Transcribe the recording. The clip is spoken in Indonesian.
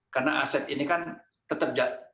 karena aset ini kan tetap berada di dalam